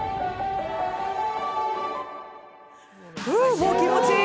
もう気持ちいい！